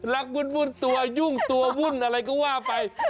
วุ่นตัวยุ่งตัววุ่นอะไรก็ว่าไป